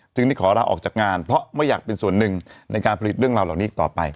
ได้ขอลาออกจากงานเพราะไม่อยากเป็นส่วนหนึ่งในการผลิตเรื่องราวเหล่านี้อีกต่อไป